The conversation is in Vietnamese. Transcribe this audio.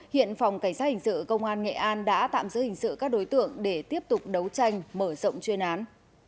hiện phòng cảnh sát hình sự công an nghệ an đã tạm giữ hình sự các đối tượng để tiếp tục đấu tranh mở rộng chuyên án